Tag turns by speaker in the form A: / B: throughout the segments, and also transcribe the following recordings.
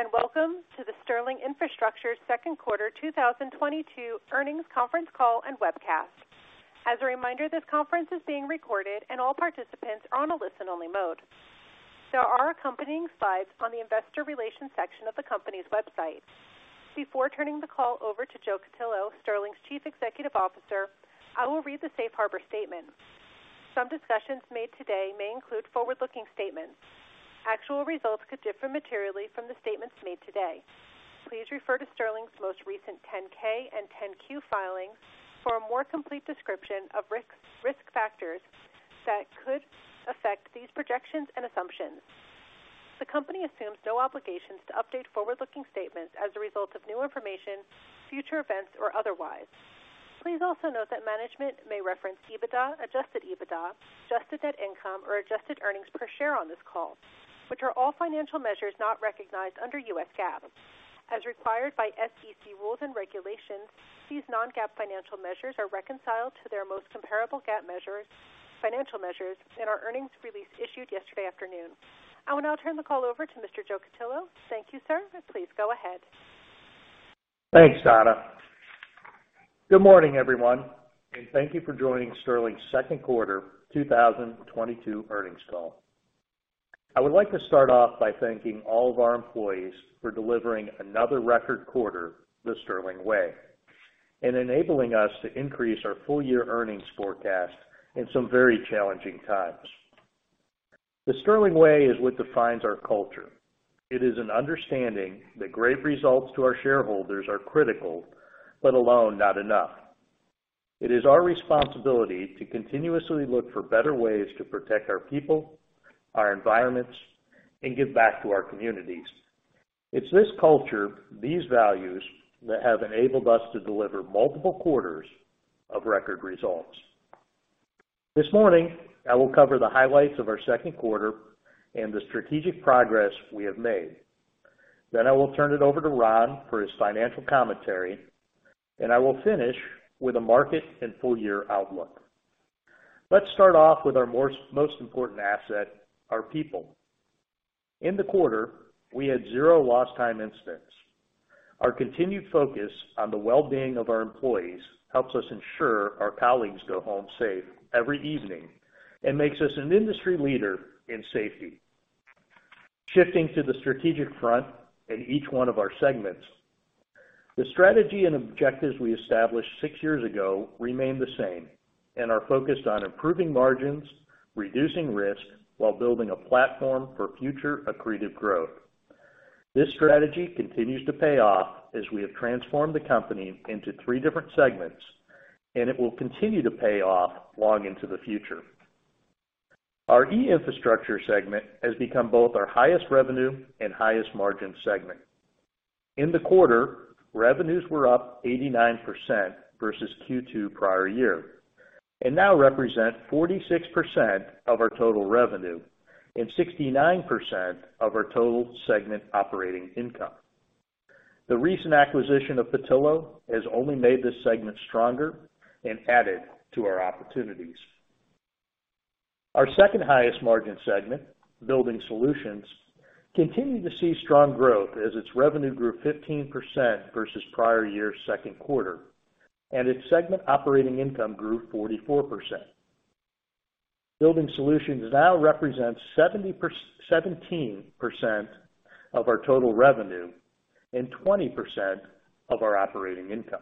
A: Greetings, and welcome to the Sterling Infrastructure second quarter 2022 earnings conference call and webcast. As a reminder, this conference is being recorded and all participants are on a listen-only mode. There are accompanying slides on the investor relations section of the company's website. Before turning the call over to Joe Cutillo, Sterling's Chief Executive Officer, I will read the safe harbor statement. Some discussions made today may include forward-looking statements. Actual results could differ materially from the statements made today. Please refer to Sterling's most recent 10-K and 10-Q filings for a more complete description of risk factors that could affect these projections and assumptions. The company assumes no obligations to update forward-looking statements as a result of new information, future events, or otherwise. Please also note that management may reference EBITDA, adjusted EBITDA, adjusted income or adjusted earnings per share on this call, which are all financial measures not recognized under U.S. GAAP. As required by SEC rules and regulations, these non-GAAP financial measures are reconciled to their most comparable GAAP financial measures in our earnings release issued yesterday afternoon. I will now turn the call over to Mr. Joseph Cutillo. Thank you, sir, and please go ahead.
B: Thanks, Anna. Good morning, everyone, and thank you for joining Sterling's second quarter 2022 earnings call. I would like to start off by thanking all of our employees for delivering another record quarter the Sterling Way, and enabling us to increase our full-year earnings forecast in some very challenging times. The Sterling Way is what defines our culture. It is an understanding that great results to our shareholders are critical, but alone, not enough. It is our responsibility to continuously look for better ways to protect our people, our environments, and give back to our communities. It's this culture, these values, that have enabled us to deliver multiple quarters of record results. This morning, I will cover the highlights of our second quarter and the strategic progress we have made. I will turn it over to Ron for his financial commentary, and I will finish with a market and full-year outlook. Let's start off with our most important asset, our people. In the quarter, we had zero lost time incidents. Our continued focus on the well-being of our employees helps us ensure our colleagues go home safe every evening and makes us an industry leader in safety. Shifting to the strategic front in each one of our segments. The strategy and objectives we established six years ago remain the same and are focused on improving margins, reducing risk while building a platform for future accretive growth. This strategy continues to pay off as we have transformed the company into three different segments, and it will continue to pay off long into the future. Our E-Infrastructure Solutions segment has become both our highest revenue and highest margin segment. In the quarter, revenues were up 89% versus Q2 prior year and now represent 46% of our total revenue and 69% of our total segment operating income. The recent acquisition of Petillo has only made this segment stronger and added to our opportunities. Our second highest margin segment, Building Solutions, continued to see strong growth as its revenue grew 15% versus prior year's second quarter, and its segment operating income grew 44%. Building Solutions now represents 17% of our total revenue and 20% of our operating income.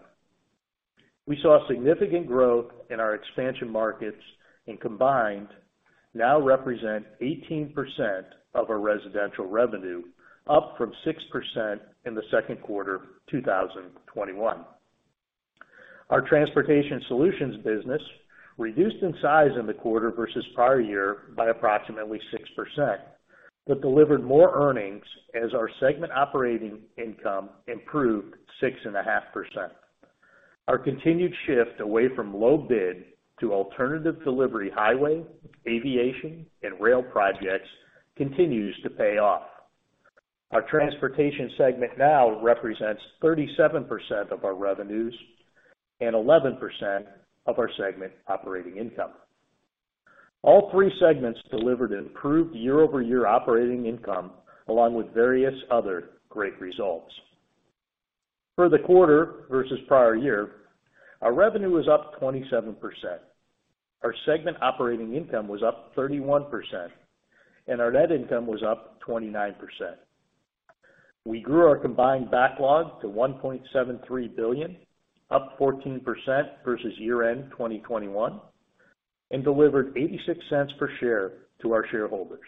B: We saw significant growth in our expansion markets and combined now represent 18% of our residential revenue, up from 6% in the second quarter of 2021. Our Transportation Solutions business reduced in size in the quarter versus prior year by approximately 6% but delivered more earnings as our segment operating income improved 6.5%. Our continued shift away from low bid to alternative delivery highway, aviation, and rail projects continues to pay off. Our Transportation Solutions now represents 37% of our revenues and 11% of our segment operating income. All three segments delivered improved year-over-year operating income along with various other great results. For the quarter versus prior year, our revenue was up 27%, our segment operating income was up 31%, and our net income was up 29%. We grew our combined backlog to $1.73 billion, up 14% versus year-end 2021, and delivered $0.86 per share to our shareholders.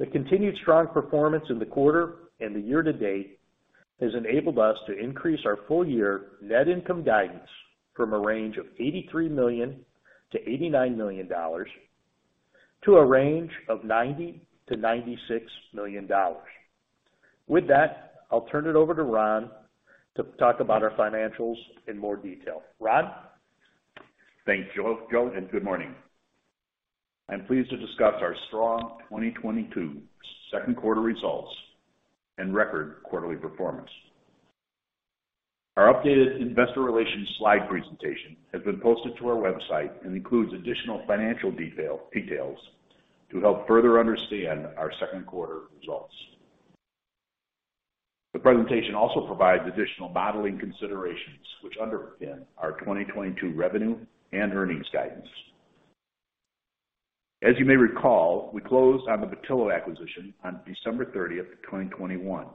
B: The continued strong performance in the quarter and the year to date has enabled us to increase our full-year net income guidance from a range of $83 million-$89 million to a range of $90 million-$96 million. With that, I'll turn it over to Ron to talk about our financials in more detail. Ron?
C: Thanks, Joe, and good morning. I'm pleased to discuss our strong 2022 second quarter results and record quarterly performance. Our updated investor relations slide presentation has been posted to our website and includes additional financial details to help further understand our second quarter results. The presentation also provides additional modeling considerations which underpin our 2022 revenue and earnings guidance. As you may recall, we closed on the Petillo acquisition on December 30, 2021,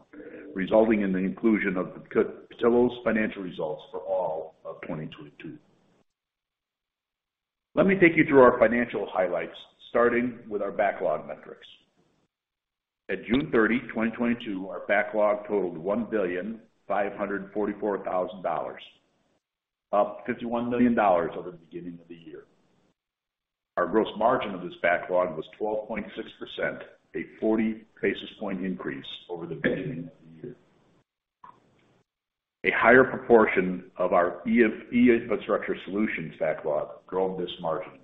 C: resulting in the inclusion of Petillo's financial results for all of 2022. Let me take you through our financial highlights, starting with our backlog metrics. At June 30, 2022, our backlog totaled $1,544,000, up $51 million over the beginning of the year. Our gross margin of this backlog was 12.6%, a 40 basis point increase over the beginning of the year. A higher proportion of our E-Infrastructure Solutions backlog drove this margin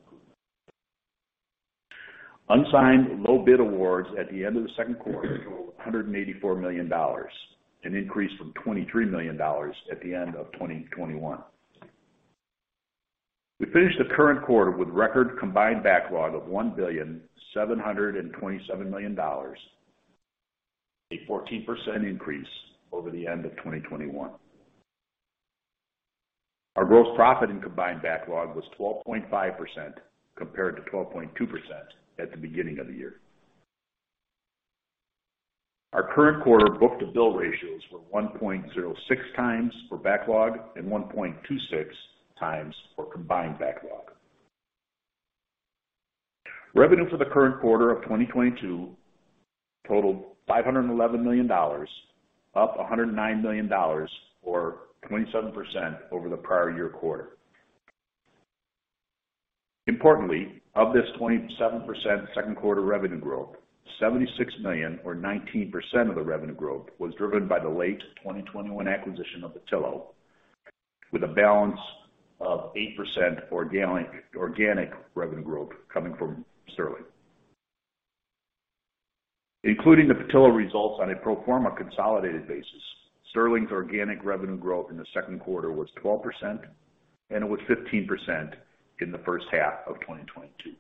C: improvement. Unsigned low bid awards at the end of the second quarter totaled $184 million, an increase from $23 million at the end of 2021. We finished the current quarter with record combined backlog of $1,727,000,000, a 14% increase over the end of 2021. Our gross profit in combined backlog was 12.5%, compared to 12.2% at the beginning of the year. Our current quarter book-to-bill ratios were 1.06x for backlog and 1.26x for combined backlog. Revenue for the current quarter of 2022 totaled $511 million, up $109 million, or 27% over the prior year quarter. Importantly, of this 27% second quarter revenue growth, $76 million, or 19% of the revenue growth, was driven by the late 2021 acquisition of Petillo, with a balance of 8% organic revenue growth coming from Sterling. Including the Petillo results on a pro forma consolidated basis, Sterling's organic revenue growth in the second quarter was 12%, and it was 15% in the first half of 2022.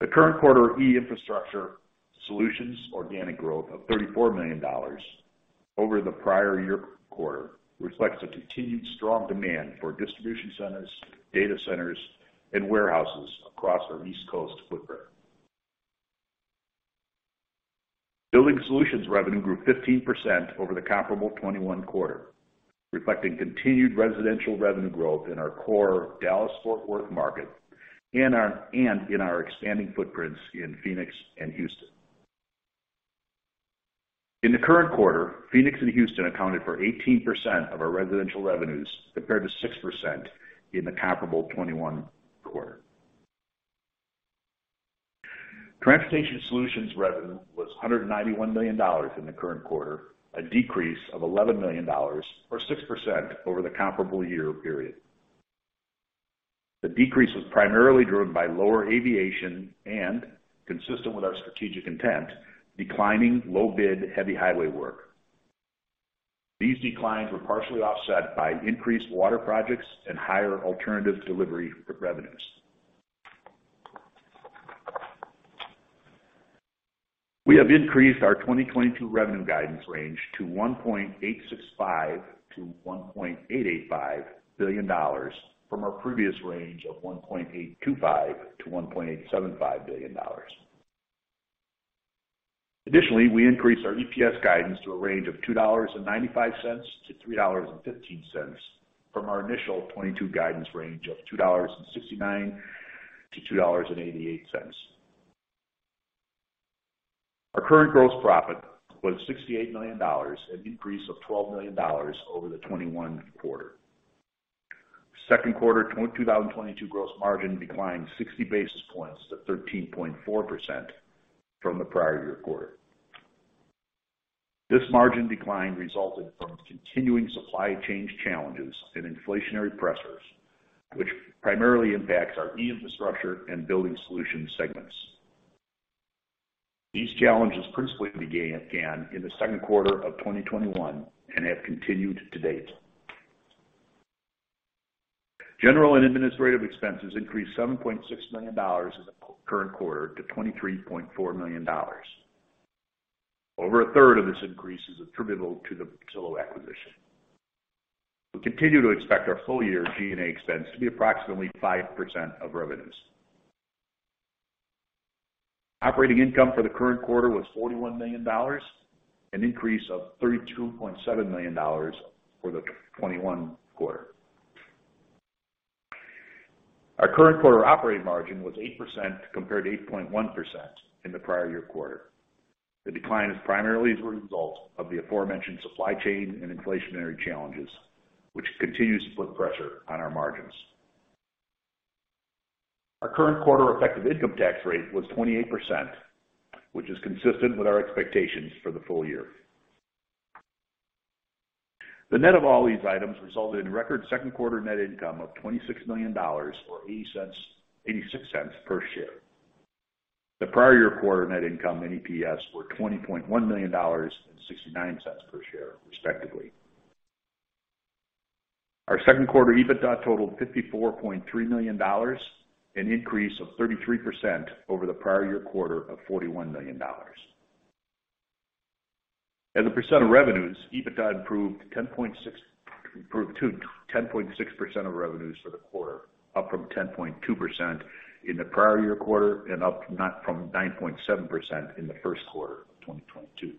C: The current quarter E-Infrastructure Solutions organic growth of $34 million over the prior year quarter reflects a continued strong demand for distribution centers, data centers, and warehouses across our East Coast footprint. Building Solutions revenue grew 15% over the comparable 2021 quarter, reflecting continued residential revenue growth in our core Dallas-Fort Worth market and in our expanding footprints in Phoenix and Houston. In the current quarter, Phoenix and Houston accounted for 18% of our residential revenues, compared to 6% in the comparable 2021 quarter. Transportation Solutions revenue was $191 million in the current quarter, a decrease of $11 million, or 6%, over the comparable year period. The decrease was primarily driven by lower aviation and, consistent with our strategic intent, declining low bid heavy highway work. These declines were partially offset by increased water projects and higher alternative delivery revenues. We have increased our 2022 revenue guidance range to $1.865 billion-$1.885 billion from our previous range of $1.825 billion-$1.875 billion. Additionally, we increased our EPS guidance to a range of $2.95-$3.15 from our initial 2022 guidance range of $2.69-$2.88. Our current gross profit was $68 million, a decrease of $12 million over the 2021 quarter. Second quarter 2022 gross margin declined 60 basis points to 13.4% from the prior year quarter. This margin decline resulted from continuing supply chain challenges and inflationary pressures, which primarily impact our E-Infrastructure Solutions and Building Solutions segments. These challenges principally began in the second quarter of 2021 and have continued to date. General and administrative expenses increased $7.6 million in the current quarter to $23.4 million. Over a third of this increase is attributable to the Petillo acquisition. We continue to expect our full year G&A expense to be approximately 5% of revenues. Operating income for the current quarter was $41 million, an increase of $32.7 million over the 2021 quarter. Our current quarter operating margin was 8% compared to 8.1% in the prior year quarter. The decline is primarily as a result of the aforementioned supply chain and inflationary challenges, which continue to put pressure on our margins. Our current quarter effective income tax rate was 28%, which is consistent with our expectations for the full year. The net of all these items resulted in record second quarter net income of $26 million, or $0.86 per share. The prior year quarter net income and EPS were $20.1 million and $0.69 per share, respectively. Our second quarter EBITDA totaled $54.3 million, an increase of 33% over the prior year quarter of $41 million. As a percent of revenues, EBITDA improved to 10.6% of revenues for the quarter, up from 10.2% in the prior year quarter and up from 9.7% in the first quarter of 2022.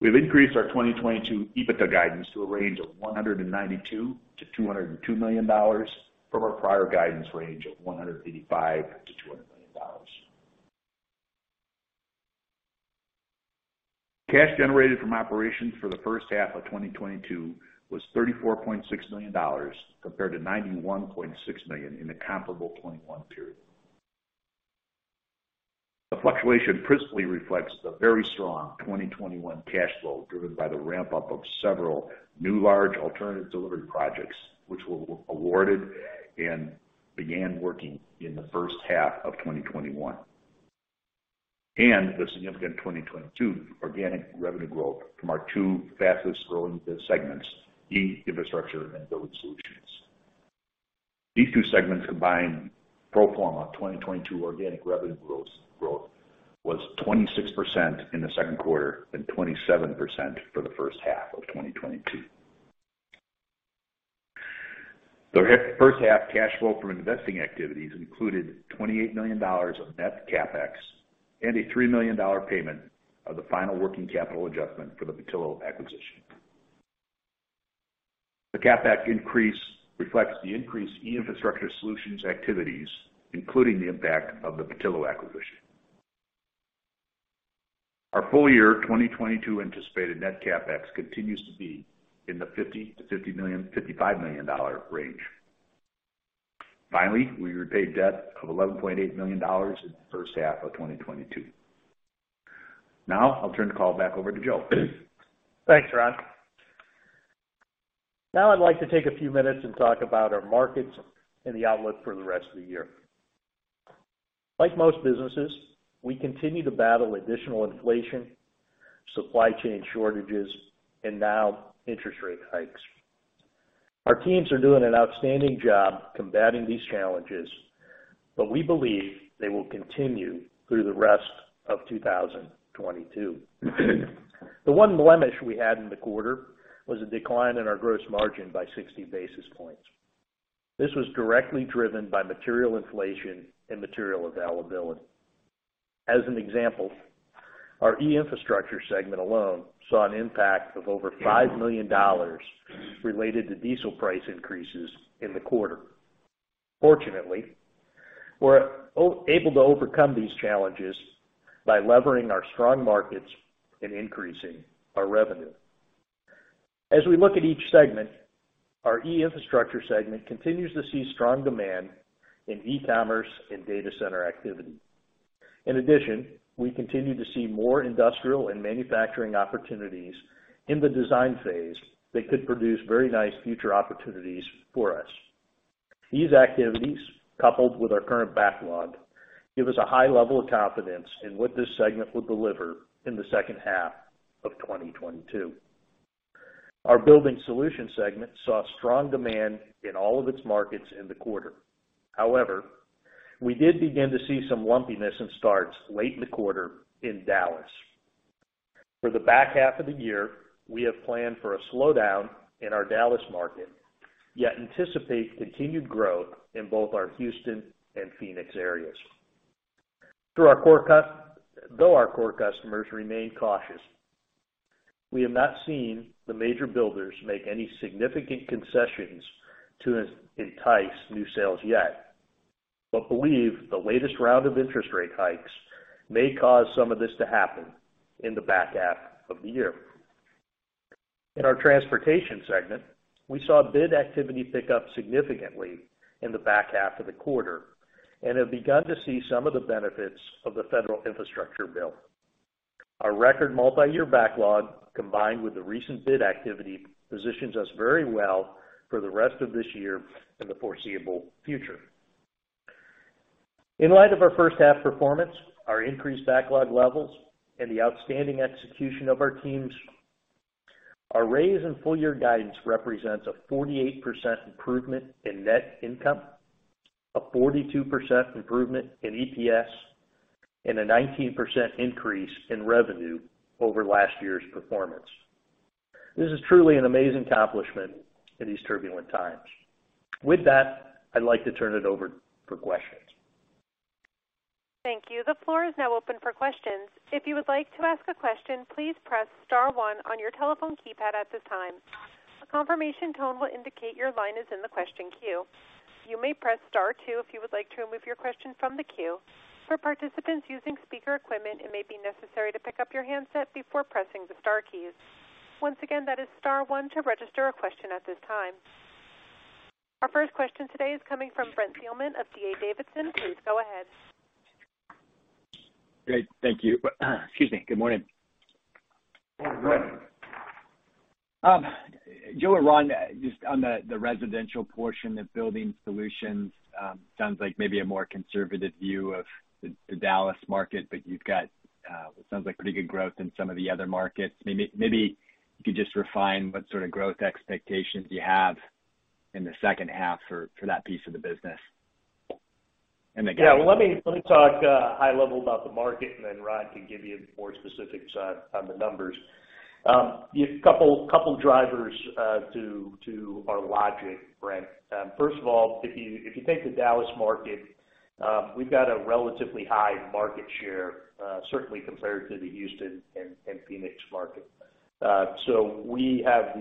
C: We've increased our 2022 EBITDA guidance to a range of $192 million-$202 million from our prior guidance range of $185 million-$200 million. Cash generated from operations for the first half of 2022 was $34.6 million, compared to $91.6 million in the comparable 2021 period. The fluctuation principally reflects the very strong 2021 cash flow driven by the ramp-up of several new large alternative delivery projects, which were awarded and began working in the first half of 2021, and the significant 2022 organic revenue growth from our two fastest-growing segments, E-Infrastructure Solutions and Building Solutions. These two segments combined pro forma 2022 organic revenue growth was 26% in the second quarter and 27% for the first half of 2022. The first half cash flow from investing activities included $28 million of net CapEx and a $3 million payment of the final working capital adjustment for the Petillo acquisition. The CapEx increase reflects the increased E-Infrastructure Solutions activities, including the impact of the Petillo acquisition. Our full year 2022 anticipated net CapEx continues to be in the $50 million-$55 million range. Finally, we repaid debt of $11.8 million in the first half of 2022. Now, I'll turn the call back over to Joe.
B: Thanks, Ron. I'd like to take a few minutes and talk about our markets and the outlook for the rest of the year. Like most businesses, we continue to battle additional inflation, supply chain shortages, and now interest rate hikes. Our teams are doing an outstanding job combating these challenges, but we believe they will continue through the rest of 2022. The one blemish we had in the quarter was a decline in our gross margin by 60 basis points. This was directly driven by material inflation and material availability. As an example, our E-Infrastructure Solutions segment alone saw an impact of over $5 million related to diesel price increases in the quarter. Fortunately, we're able to overcome these challenges by levering our strong markets and increasing our revenue. As we look at each segment, our E-Infrastructure Solutions segment continues to see strong demand in e-commerce and data center activity. In addition, we continue to see more industrial and manufacturing opportunities in the design phase that could produce very nice future opportunities for us. These activities, coupled with our current backlog, give us a high level of confidence in what this segment will deliver in the second half of 2022. Our Building Solutions segment saw strong demand in all of its markets in the quarter. However, we did begin to see some lumpiness and starts late in the quarter in Dallas. For the back half of the year, we have planned for a slowdown in our Dallas market, yet anticipate continued growth in both our Houston and Phoenix areas. Though our core customers remain cautious, we have not seen the major builders make any significant concessions to entice new sales yet, but believe the latest round of interest rate hikes may cause some of this to happen in the back half of the year. In our Transportation segment, we saw bid activity pick up significantly in the back half of the quarter and have begun to see some of the benefits of the federal infrastructure bill. Our record multi-year backlog, combined with the recent bid activity, positions us very well for the rest of this year and the foreseeable future. In light of our first half performance, our increased backlog levels, and the outstanding execution of our teams, our raise in full year guidance represents a 48% improvement in net income, a 42% improvement in EPS, and a 19% increase in revenue over last year's performance. This is truly an amazing accomplishment in these turbulent times. With that, I'd like to turn it over for questions.
A: Our first question today is coming from Brent Thielman of D.A. Davidson. Please go ahead.
D: Great. Thank you. Excuse me. Good morning. Joe, along just on the residential portion of Building Solutions, sounds like maybe a more conservative view of the Dallas market, but you've got what sounds like pretty good growth in some of the other markets. Maybe you could just refine what sort of growth expectations you have in the second half for that piece of the business.
B: Yeah. Let me talk high level about the market, and then Ron can give you more specifics on the numbers. A couple of drivers to our logic, Brent. First of all, if you take the Dallas market, we've got a relatively high market share, certainly compared to the Houston and Phoenix market. We have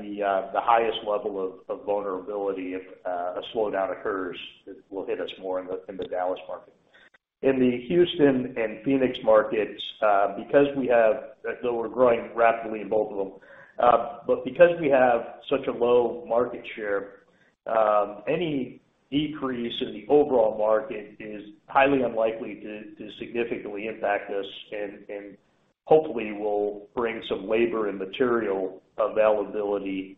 B: the highest level of vulnerability if a slowdown occurs, it will hit us more in the Dallas market. In the Houston and Phoenix markets, although we're growing rapidly in both of them, but because we have such a low market share, any decrease in the overall market is highly unlikely to significantly impact us and hopefully will bring some labor and material availability,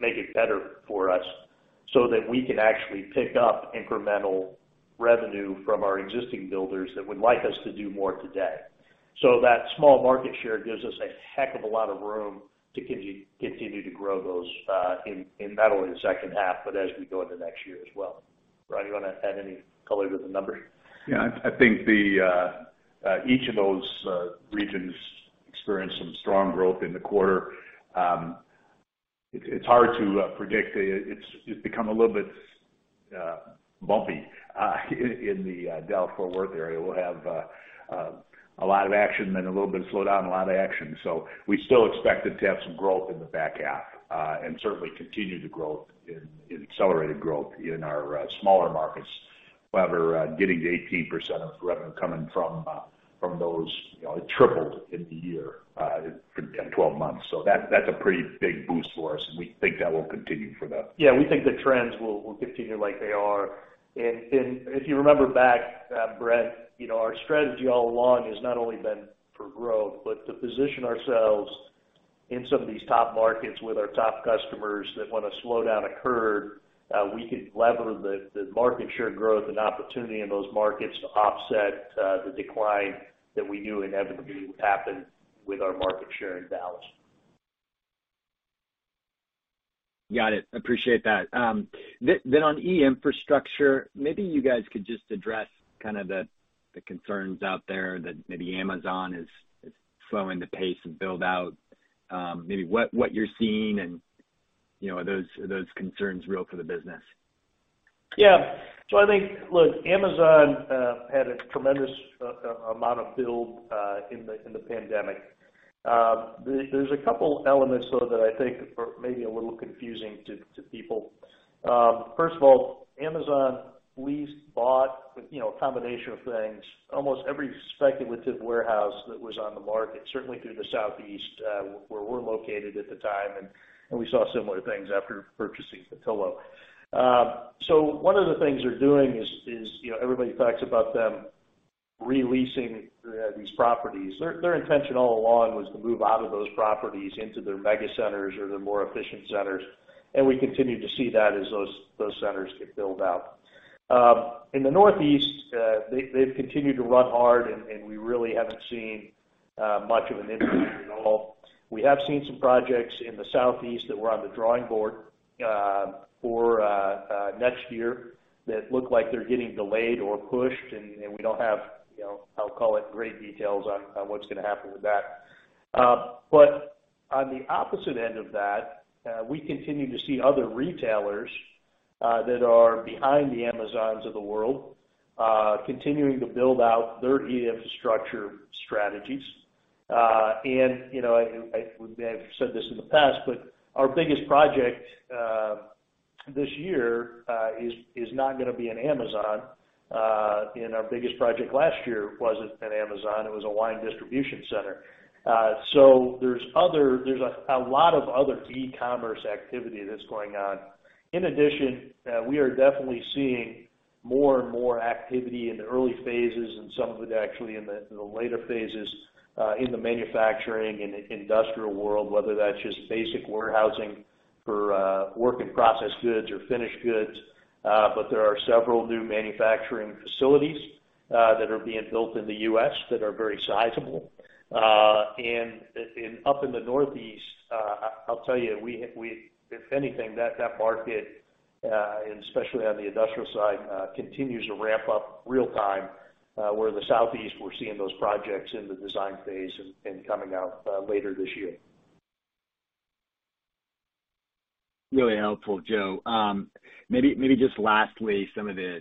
B: make it better for us so that we can actually pick up incremental revenue from our existing builders that would like us to do more today. That small market share gives us a heck of a lot of room to continue to grow those, not only in the second half, but as we go into next year as well. Ron, you want to add any color to the numbers?
C: I think each of those regions experienced some strong growth in the quarter. It's hard to predict. It's become a little bit bumpy in the Dallas-Fort Worth area. We'll have a lot of action, then a little bit of slowdown, a lot of action. We still expect it to have some growth in the back half, and certainly continued growth and accelerated growth in our smaller markets. However, getting to 18% of revenue coming from those tripled in the year, in 12 months. That's a pretty big boost for us, and we think that will continue for the.
B: Yeah, we think the trends will continue like they are. If you remember back, Brent, our strategy all along has not only been for growth, but to position ourselves in some of these top markets with our top customers that when a slowdown occurred, we could lever the market share growth and opportunity in those markets to offset the decline that we knew inevitably would happen with our market share in Dallas.
D: Yeah, I appreciate that. On E-Infrastructure, maybe you guys could just address the concerns out there that maybe Amazon is slowing the pace of build-out. Maybe what you're seeing and are those concerns real for the business?
B: Yeah. I think, look, Amazon had a tremendous amount of build in the pandemic. There's a couple elements, though, that I think are maybe a little confusing to people. First of all, Amazon leased, bought a combination of things, almost every speculative warehouse that was on the market, certainly through the Southeast, where we're located at the time, and we saw similar things after purchasing Petillo. One of the things they're doing is everybody talks about them re-leasing these properties. Their intention all along was to move out of those properties into their mega centers or their more efficient centers, and we continue to see that as those centers get built out. In the Northeast, they've continued to run hard, and we really haven't seen much of an impact at all. We have seen some projects in the Southeast that were on the drawing board for next year that look like they're getting delayed or pushed, and we don't have, I'll call it great details on what's going to happen with that. On the opposite end of that, we continue to see other retailers that are behind the Amazons of the world continuing to build out their E-Infrastructure strategies. We may have said this in the past, but our biggest project this year is not going to be an Amazon, and our biggest project last year wasn't an Amazon, it was a wine distribution center. There's a lot of other e-commerce activity that's going on. In addition, we are definitely seeing more and more activity in the early phases and some of it actually in the later phases, in the manufacturing and industrial world, whether that's just basic warehousing for work in process goods or finished goods. There are several new manufacturing facilities that are being built in the U.S. that are very sizable. Up in the Northeast, I'll tell you, if anything, that market, and especially on the industrial side, continues to ramp up real time, where the Southeast, we're seeing those projects in the design phase and coming out later this year.
D: Really helpful, Joe. Maybe just lastly, some of the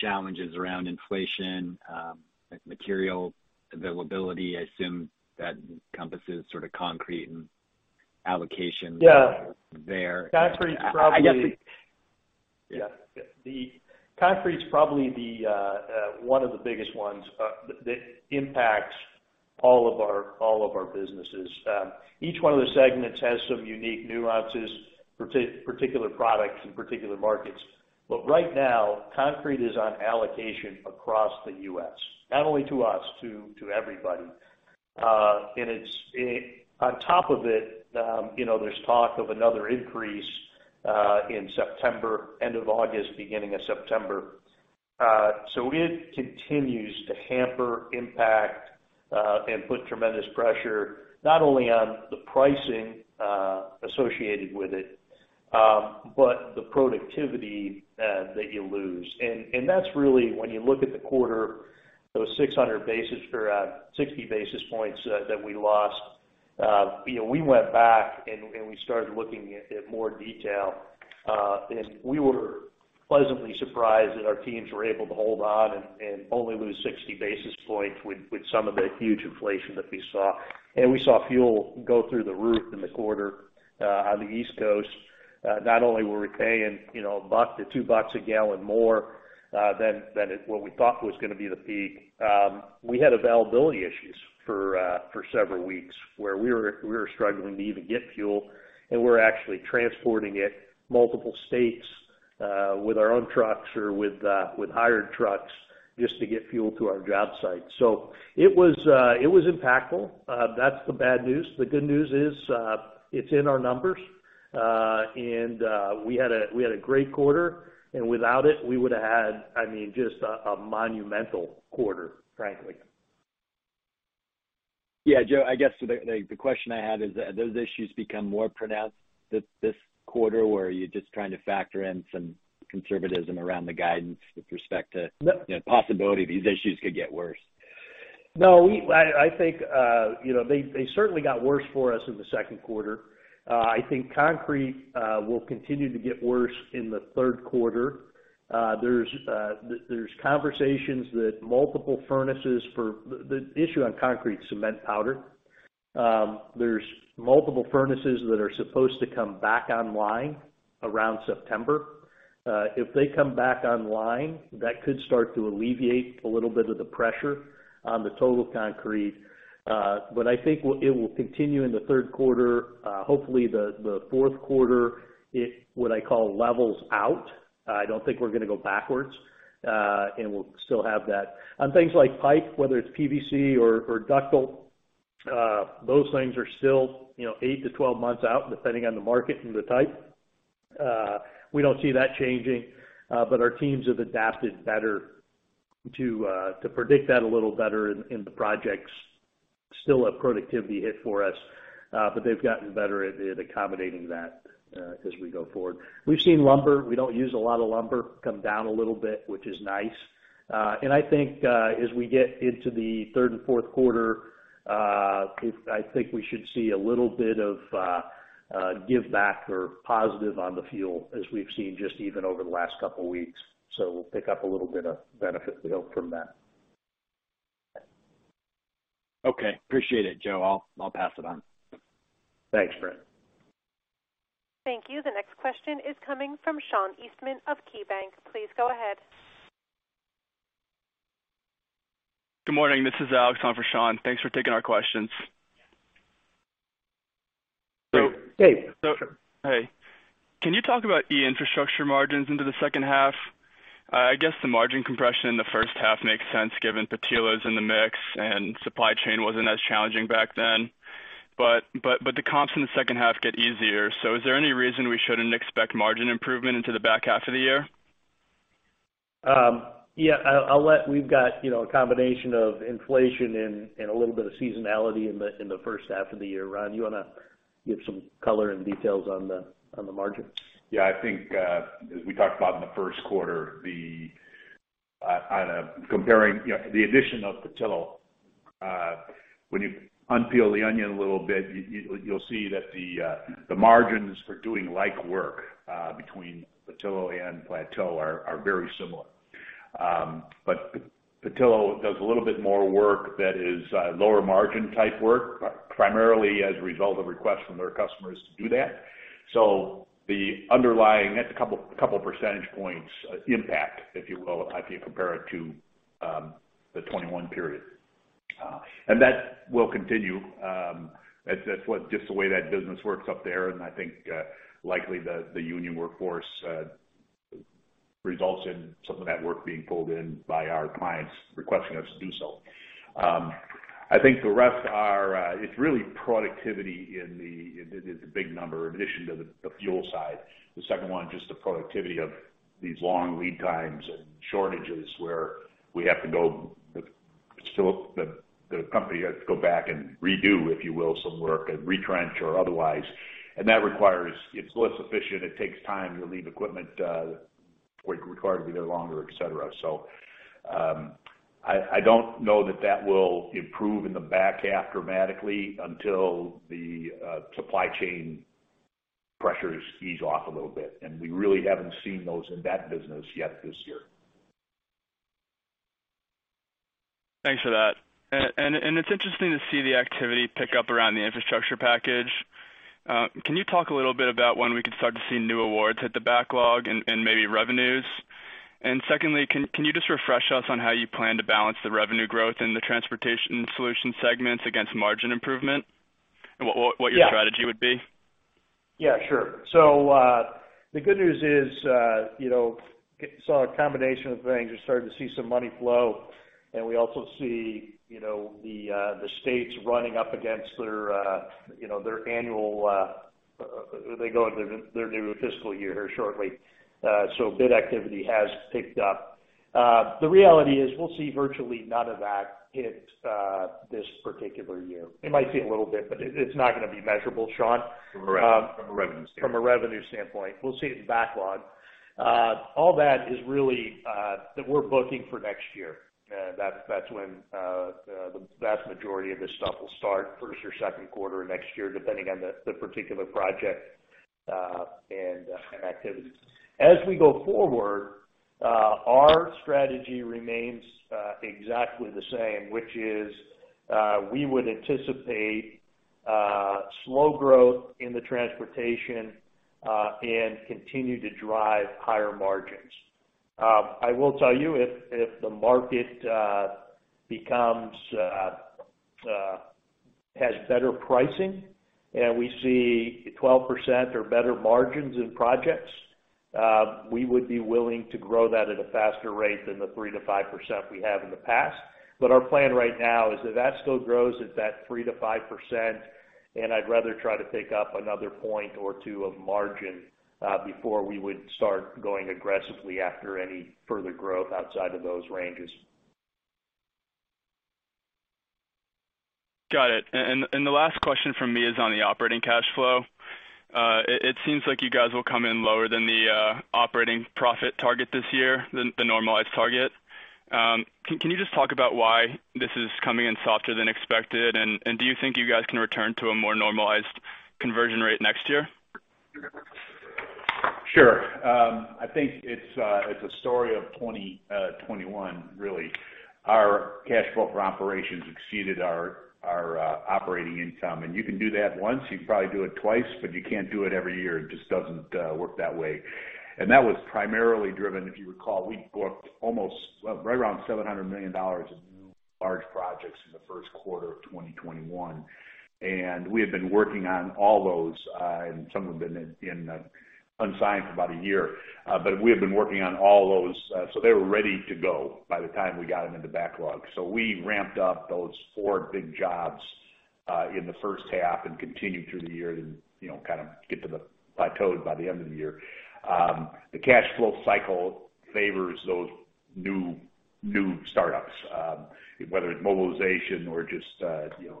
D: challenges around inflation, material availability, I assume that encompasses concrete and allocation there?
B: Yeah.
D: I guess-
B: Batch rates probably the one of the biggest ones. The impacts all of our businesses. Each one of the segments has some unique nuances for particular products in particular markets. Right now, concrete is on allocation across the U.S., not only to us, to everybody. On top of it, there's talk of another increase in September, end of August, beginning of September. It continues to hamper impact, and put tremendous pressure not only on the pricing associated with it, but the productivity that you lose. That's really when you look at the quarter, those 60 basis points that we lost. We went back and we started looking at more detail, and we were pleasantly surprised that our teams were able to hold on and only lose 60 basis points with some of the huge inflation that we saw. We saw fuel go through the roof in the quarter, on the East Coast. Not only were we paying $1-$2 a gallon more than what we thought was going to be the peak. We had availability issues for several weeks where we were struggling to even get fuel, and we're actually transporting it multiple states, with our own trucks or with hired trucks just to get fuel to our job site. It was impactful. That's the bad news. The good news is, it's in our numbers. We had a great quarter, and without it, we would've had just a monumental quarter, frankly.
D: Yeah, Joe, I guess the question I have is that those issues become more pronounced this quarter where you just kind of factor in some conservatism around the guidance with respect to-
B: No
D: The possibility these issues could get worse.
B: No, they certainly got worse for us in the second quarter. I think concrete will continue to get worse in the third quarter. The issue on concrete is cement powder. There's multiple furnaces that are supposed to come back online around September. If they come back online, that could start to alleviate a little bit of the pressure on the total concrete. I think it will continue in the third quarter. Hopefully, the fourth quarter, what I call levels out. I don't think we're going to go backwards, and we'll still have that. On things like pipe, whether it's PVC or ductile, those things are still 8-12 months out, depending on the market and the type. We don't see that changing. Our teams have adapted better to predict that a little better in the projects. Still a productivity hit for us, but they've gotten better at accommodating that as we go forward. We've seen lumber, we don't use a lot of lumber, come down a little bit, which is nice. I think, as we get into the third and fourth quarter, I think we should see a little bit of give back or positive on the fuel as we've seen just even over the last couple of weeks. We'll pick up a little bit of benefit from that.
D: Okay. Appreciate it, Joe. I'll pass it on.
B: Thanks, Brent.
A: Thank you. The next question is coming from Sean Eastman of KeyBanc. Please go ahead.
E: Good morning. This is Alex on for Sean. Thanks for taking our questions.
B: Hey.
E: Hey. Can you talk about the infrastructure margins into the second half? I guess the margin compression in the first half makes sense given Petillo's in the mix and supply chain wasn't as challenging back then, but the comps in the second half get easier. Is there any reason we shouldn't expect margin improvement into the back half of the year?
B: Yeah. We've got a combination of inflation and a little bit of seasonality in the first half of the year. Ron, you want to give some color and details on the margins?
C: Yeah, I think, as we talked about in the first quarter, comparing the addition of Petillo, when you unpeel the onion a little bit, you'll see that the margins for doing like work, between Petillo and Plateau are very similar. Petillo does a little bit more work that is lower margin type work, primarily as a result of requests from their customers to do that. The underlying, couple percentage points impact, if you will, if you compare it to the 2021 period. That will continue. That's just the way that business works up there, and I think, likely the union workforce results in some of that work being pulled in by our clients requesting us to do so. I think the rest are, it's really productivity is the big number in addition to the fuel side. The second one, just the productivity of these long lead times and shortages where we have to go, the company has to go back and redo, if you will, some work and retrench or otherwise. That requires, it's less efficient. It takes time. You leave equipment, required to be there longer, etc. I don't know that that will improve in the back half dramatically until the supply chain pressures ease off a little bit, and we really haven't seen those in that business yet this year.
E: Thanks for that. It's interesting to see the activity pick up around the infrastructure package. Can you talk a little bit about when we can start to see new awards hit the backlog and maybe revenues? Secondly, can you just refresh us on how you plan to balance the revenue growth in the Transportation Solutions segments against margin improvement and what your strategy would be?
B: Yeah, sure. The good news is, it's a combination of things. We're starting to see some money flow, and we also see the states running up against their annual. They go into their new fiscal year shortly. Bid activity has picked up. The reality is we'll see virtually none of that hit this particular year. It might be a little bit, but it's not going to be measurable, Sean.
C: From a revenue standpoint.
B: From a revenue standpoint. We'll see it in backlog. All that is really that we're booking for next year. That's when the vast majority of this stuff will start, first or second quarter of next year, depending on the particular project and activities. As we go forward, our strategy remains exactly the same, which is we would anticipate slow growth in the Transportation and continue to drive higher margins. I will tell you if the market has better pricing and we see 12% or better margins in projects, we would be willing to grow that at a faster rate than the 3%-5% we have in the past. Our plan right now is if that still grows at that 3%-5%, and I'd rather try to pick up another point or two of margin, before we would start going aggressively after any further growth outside of those ranges.
E: Got it. The last question from me is on the operating cash flow. It seems like you guys will come in lower than the operating profit target this year, the normalized target. Can you just talk about why this is coming in softer than expected, and do you think you guys can return to a more normalized conversion rate next year?
C: Sure. I think it's a story of 2021, really. Our cash flow from operations exceeded our operating income. You can do that once, you can probably do it twice, but you can't do it every year. It just doesn't work that way. That was primarily driven, if you recall, we booked almost right around $700 million of new large projects in the first quarter of 2021. We had been working on all those, and some of them had been in unsigned for about a year. We had been working on all those, so they were ready to go by the time we got them into backlog. We ramped up those four big jobs in the first half and continued through the year and kind of plateaued by the end of the year. The cash flow cycle favors those new startups, whether it's mobilization or just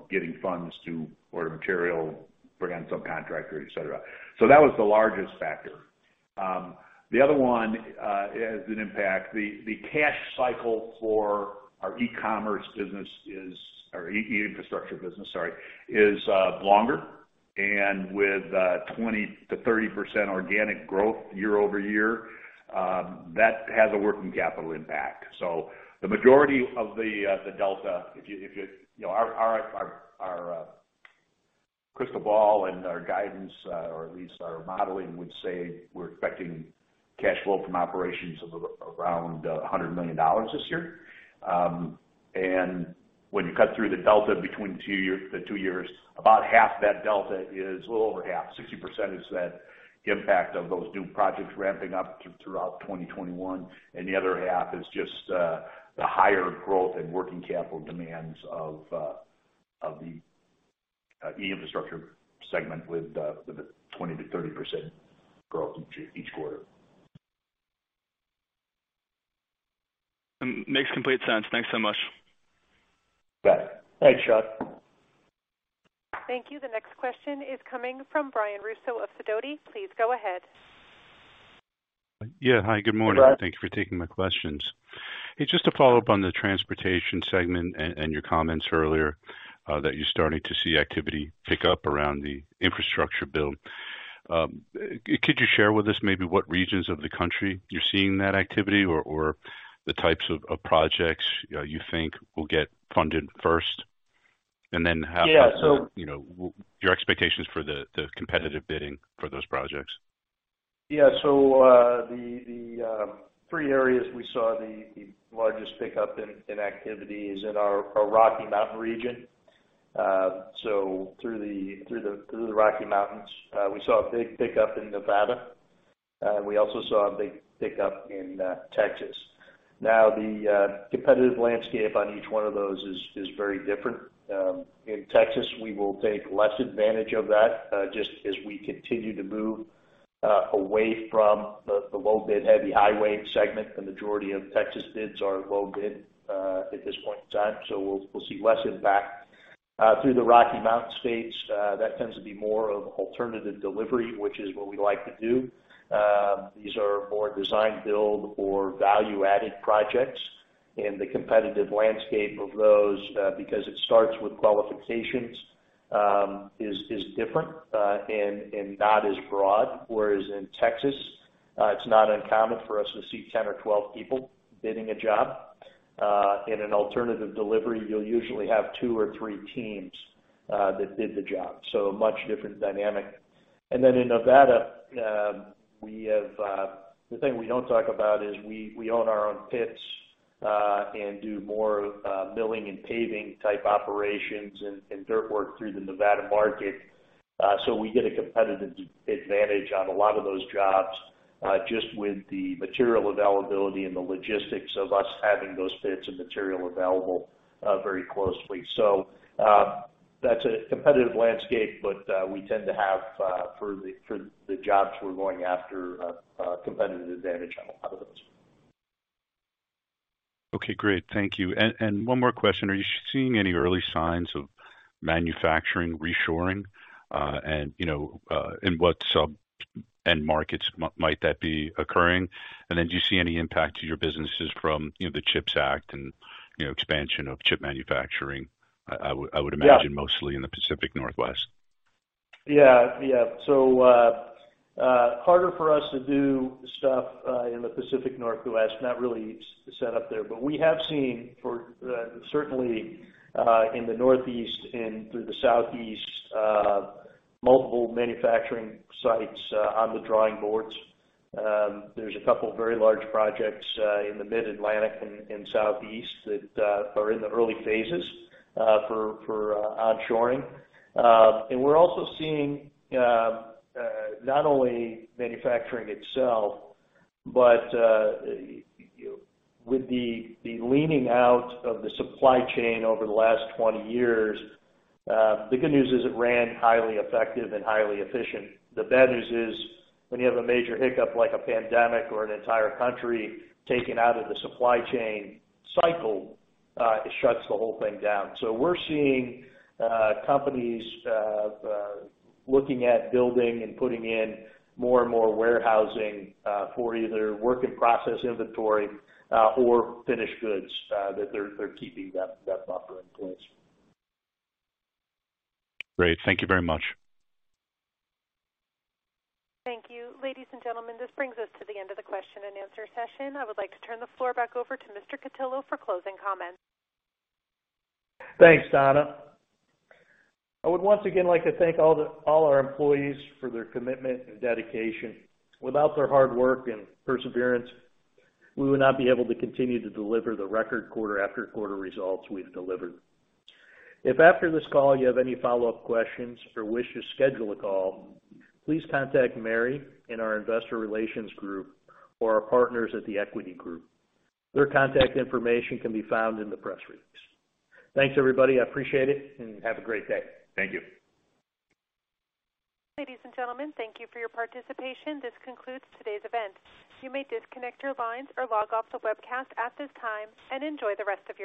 C: getting funds to order material, bring on subcontractors, et cetera. That was the largest factor. The other one, as an impact, the cash cycle for our e-commerce business is, our E-Infrastructure business, sorry, is longer. With 20%-30% organic growth year-over-year, that has a working capital impact. The majority of the delta, our crystal ball and our guidance, or at least our modeling, would say we're expecting cash flow from operations of around $100 million this year. When you cut through the delta between the two years, about half that delta is, a little over half, 60% is that impact of those new projects ramping up throughout 2021, and the other half is just the higher growth and working capital demands of the E-Infrastructure segment with the 20%-30% growth each quarter.
E: Makes complete sense. Thanks so much.
C: You bet.
B: Thanks, Sean.
A: Thank you. The next question is coming from Brian Russo of Sidoti. Please go ahead.
F: Yeah. Hi, good morning.
B: Good luck.
F: Thanks for taking my questions. Just to follow up on the transportation segment and your comments earlier, that you're starting to see activity pick up around the infrastructure build. Could you share with us maybe what regions of the country you're seeing that activity or the types of projects you think will get funded first?
B: Yeah.
F: your expectations for the competitive bidding for those projects?
B: Yeah. The three areas we saw the largest pickup in activity is in our Rocky Mountain region. Through the Rocky Mountains. We also saw a big pickup in Nevada. We also saw a big pickup in Texas. Now, the competitive landscape on each one of those is very different. In Texas, we will take less advantage of that just as we continue to move away from the low bid heavy highway segment. The majority of Texas bids are low bid at this point in time. We'll see less impact. Through the Rocky Mountain states, that tends to be more of alternative delivery, which is what we like to do. These are more design build or value-added projects. The competitive landscape of those, because it starts with qualifications, is different, and not as broad. Whereas in Texas, it's not uncommon for us to see 10 or 12 people bidding a job. In an alternative delivery, you'll usually have two or three teams that did the job, so a much different dynamic. In Nevada, the thing we don't talk about is we own our own pits and do more milling and paving type operations and dirt work through the Nevada market. We get a competitive advantage on a lot of those jobs, just with the material availability and the logistics of us having those pits and material available very closely. That's a competitive landscape, but we tend to have, for the jobs we're going after, a competitive advantage on a lot of those.
F: Okay, great. Thank you. One more question. Are you seeing any early signs of manufacturing reshoring? In what sub end markets might that be occurring? Do you see any impact to your businesses from the CHIPS Act and expansion of chip manufacturing?
B: Yeah
F: mostly in the Pacific Northwest.
B: Yeah. Harder for us to do stuff in the Pacific Northwest, not really set up there. We have seen, certainly in the Northeast and through the Southeast, multiple manufacturing sites on the drawing boards. There's a couple of very large projects in the mid-Atlantic and Southeast that are in the early phases for onshoring. We're also seeing not only manufacturing itself, but with the leaning out of the supply chain over the last 20 years, the good news is it ran highly effective and highly efficient. The bad news is when you have a major hiccup like a pandemic or an entire country taken out of the supply chain cycle, it shuts the whole thing down. We're seeing companies looking at building and putting in more and more warehousing for either work in process inventory or finished goods that they're keeping that buffer in place.
F: Great. Thank you very much.
A: Thank you. Ladies and gentlemen, this brings us to the end of the question and answer session. I would like to turn the floor back over to Mr. Cutillo for closing comments.
B: Thanks, Donna. I would once again like to thank all our employees for their commitment and dedication. Without their hard work and perseverance, we would not be able to continue to deliver the record quarter after quarter results we've delivered. If after this call you have any follow-up questions or wish to schedule a call, please contact Mary in our Investor Relations group or our partners at The Equity Group. Their contact information can be found in the press release. Thanks, everybody. I appreciate it, and have a great day. Thank you.
A: Ladies and gentlemen, thank you for your participation. This concludes today's event. You may disconnect your lines or log off the webcast at this time and enjoy the rest of your day.